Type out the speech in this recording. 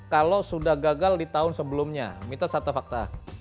kalau sudah gagal di tahun sebelumnya mitos satu fakta